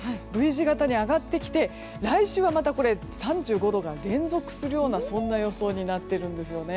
Ｖ字形に上がってきて来週はまた３５度が連続するような予想になっているんですね。